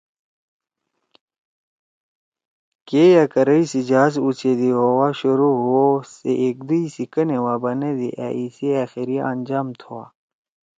کے یأ کَریئ سی جہاز اوچیدی ہؤا شروع ہُو او سے ایکدَوئی سی کنَےوا بَنَدی أ اسی أخیری انجام تُھوا